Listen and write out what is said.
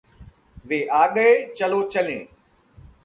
वे आ गए, चलो चलें